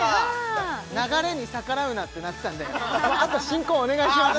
流れに逆らうなってなってたんでもうあと進行お願いします